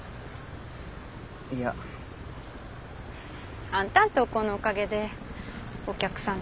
いや。あんたんとうこうのおかげでおきゃくさん